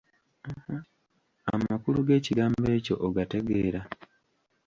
Amakulu g'ekigambo ekyo ogategeera.